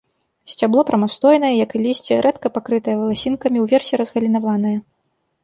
Сцябло прамастойнае, як і лісце, рэдка пакрытае валасінкамі, уверсе разгалінаванае.